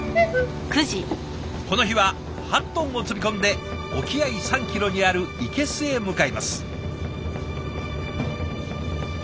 この日は８トンを積み込んで沖合３キロにある生けすへ向かいます。